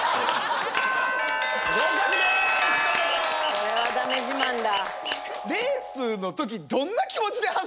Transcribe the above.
これはだめ自慢だ。